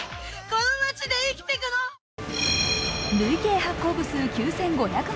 累計発行部数９５００万